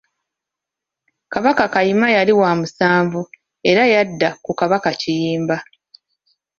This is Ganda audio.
Kabaka Kayima yali wa musanvu era yadda ku kabaka Kiyimba.